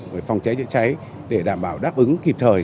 về phòng cháy chữa cháy để đảm bảo đáp ứng kịp thời